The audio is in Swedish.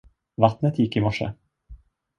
Vattnet gick i morse.